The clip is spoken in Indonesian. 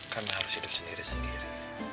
kan harus hidup sendiri sendiri